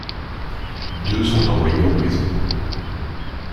Deux sont envoyés en prison.